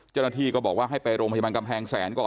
เจ้าหน้าที่ก็บอกว่าให้ไปโรงพยาบาลกำแพงแสนก่อน